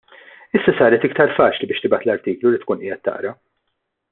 Issa saret iktar faċli biex tibgħat l-artiklu li tkun qiegħed taqra.